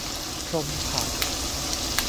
พรหมเผ่า